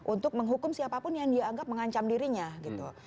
untuk menghukum siapapun yang dianggap mengancam dirinya gitu